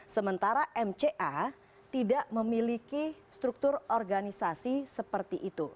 sementara mca tidak memiliki struktur organisasi seperti itu